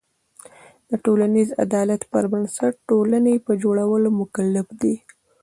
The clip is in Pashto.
د ټولنیز عدالت پر بنسټ ټولنې په جوړولو مکلف دی.